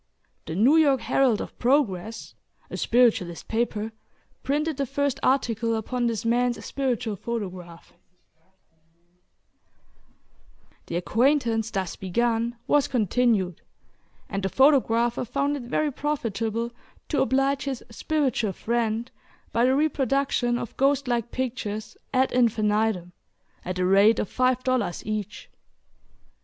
The New York Herald of Progress, a spiritualist paper, printed the first article upon this man's spiritual photograph. The acquaintance thus begun was continued, and the photographer found it very profitable to oblige his spiritual friend, by the reproduction of ghost like pictures, ad infinitum, at the rate of five dollars each.